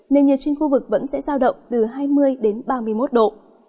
nền nhiệt trên khu vực vẫn sẽ giao động từ hai mươi đến ba mươi một độ